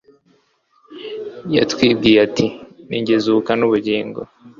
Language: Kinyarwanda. yatwibwiriye ati ni jye zuka n'ubugingo